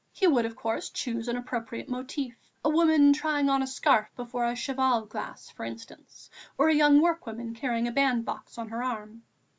He would, of course, choose an appropriate motif, a woman trying on a scarf before a cheval glass, for instance, or a young workwoman carrying a band box on her arm.